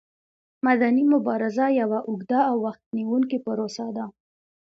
مدني مبارزه یوه اوږده او وخت نیوونکې پروسه ده.